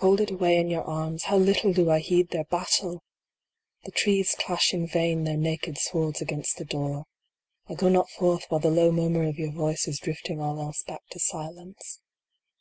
Folded away in your arms, how little do I heed their battle ! ANSWER ME. 121 The trees clash in vain their naked swords against the door. I go not forth while the low murmur of your voice is drifting all else back to silence.